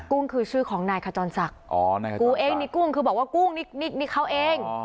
กุ้งคือชื่อของนายขจรศักดิ์อ๋อนายขจรศักดิ์กูเองนี่กุ้งคือบอกว่ากุ้งนี่นี่นี่เขาเอง